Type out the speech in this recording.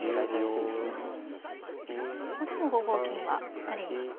ここでも５五金はありますか。